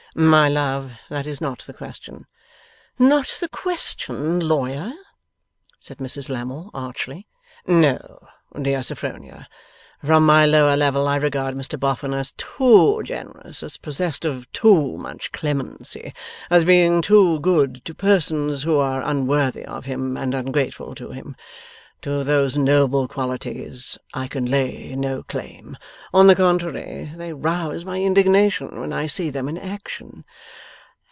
'My love, that is not the question.' 'Not the question, Lawyer?' said Mrs Lammle, archly. 'No, dear Sophronia. From my lower level, I regard Mr Boffin as too generous, as possessed of too much clemency, as being too good to persons who are unworthy of him and ungrateful to him. To those noble qualities I can lay no claim. On the contrary, they rouse my indignation when I see them in action.